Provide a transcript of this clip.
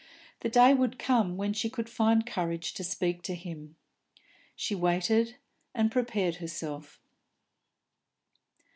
The day would come when she could find courage to speak to him. She waited and prepared herself.